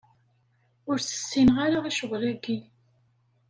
Ur s-ssineɣ ara i ccɣel-aki.